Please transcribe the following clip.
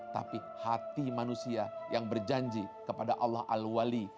tapi hati manusia yang berjanji kepada allah al wali